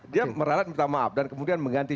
dia meralat minta maaf dan kemudian mengganti